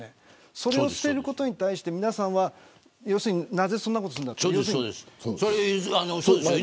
それをしていることに対して皆さんはなぜそんなことをするんですか。